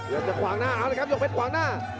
จะขวางหน้าเอาละครับยกเพชรขวางหน้า